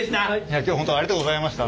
今日本当ありがとうございました。